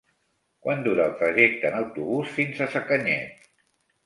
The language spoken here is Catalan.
Quant dura el trajecte en autobús fins a Sacanyet?